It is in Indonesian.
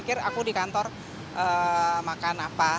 akhirnya aku di kantor makan apa